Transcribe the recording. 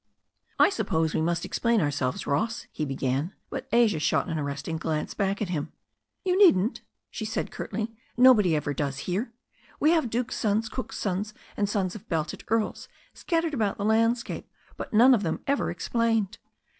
"I suppose we must explain ourselves, Ross," he began. But Asia shot an arresting glance back at him. "You needn't," she said curtly. "Nobody ever does here. We have 'Dukes' sons, cooks' sons, and sons of belted earls' scattered about the landscape, but none of them ever ex plained.